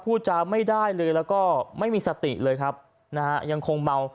พูดจาไม่ได้เลยแล้วก็ไม่มีสติเลยครับนะฮะยังคงเมา